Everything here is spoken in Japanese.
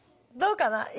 どうかな？